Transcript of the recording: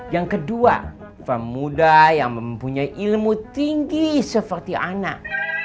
yang kedua pemuda yang mempunyai ilmu tinggi seperti anak